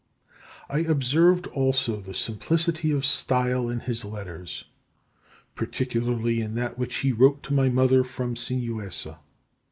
I observed also the simplicity of style in his letters, particularly in that which he wrote to my mother from Sinuessa.